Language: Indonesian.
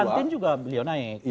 di banten juga beliau naik